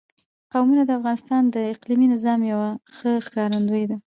قومونه د افغانستان د اقلیمي نظام یوه ښه ښکارندوی ده.